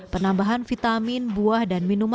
penambahan vitamin buah dan minuman